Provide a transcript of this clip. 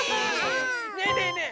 ねえねえねえ